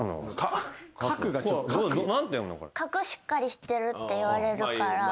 核しっかりしてるって言われるの？